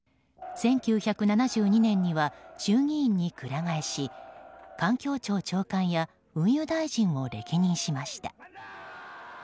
１９７２年には衆議院に鞍替えし環境庁長官や運輸大臣を歴任しました。